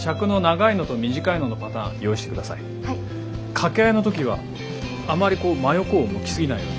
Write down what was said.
掛け合いの時はあまり真横を向き過ぎないように。